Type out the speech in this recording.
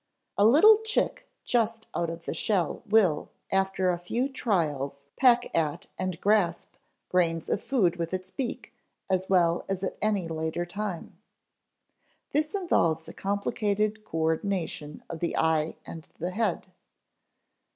A little chick just out of the shell will after a few trials peck at and grasp grains of food with its beak as well as at any later time. This involves a complicated coördination of the eye and the head.